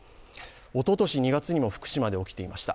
おととし２月にも福島で起きていました。